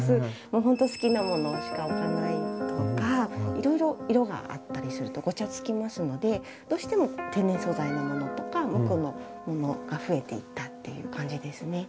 ほんと好きなものしか置かないとかいろいろ色があったりするとごちゃつきますのでどうしても天然素材のものとか無垢のものが増えていったっていう感じですね。